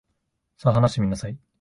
さ、話してみなさい。